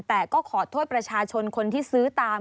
แต่ก็ขอโทษประชาชนคนที่ซื้อตาม